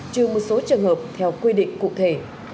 trừ một số trường hợp theo quy định cụ thể